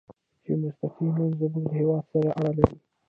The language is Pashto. چې مستقیماً زموږ له هېواد سره اړه لري.